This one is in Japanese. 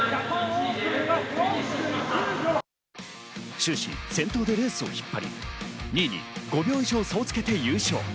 終始先頭でレースを引っ張り、２位に５秒以上の差をつけて優勝。